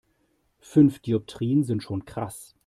Fünf Dioptrien sind schon krass.